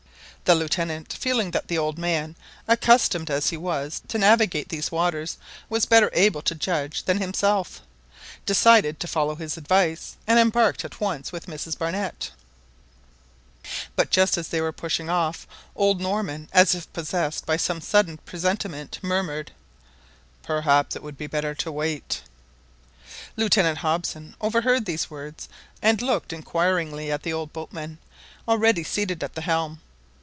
The Lieutenant, feeling that the old man, accustomed as he was to navigate these waters, was better able to judge than himself, decided to follow his advice, and embarked at once with Mrs Barnett. But just as they were pushing off, old Norman, as if possessed by some sudden presentiment, murmured — "Perhaps it would be better to wait." Lieutenant Hobson overheard these words, and looked inquiringly at the old boatman, already seated at the helm.